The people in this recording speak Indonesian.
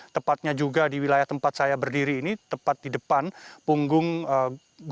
tepatnya juga di wilayah tempat saya berdiri ini tepat di depan punggung belakang